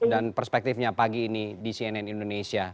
dan perspektifnya pagi ini di cnn indonesia